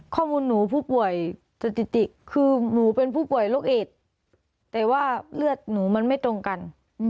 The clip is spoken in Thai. ข้อมูลหนูผู้ป่วยสถิติคือหนูเป็นผู้ป่วยโรคเอดแต่ว่าเลือดหนูมันไม่ตรงกัน